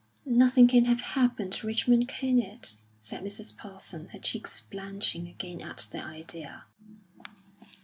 "Nothing can have happened, Richmond, can it?" said Mrs. Parsons, her cheeks blanching again at the idea.